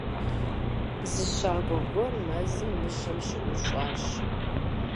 Зы щакӀуэ гуэр мэзым мыщэм щыӀущӀащ.